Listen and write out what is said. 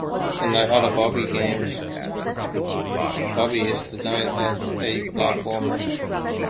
Unlike other Barbie games, "Barbie" is designed as a platformer.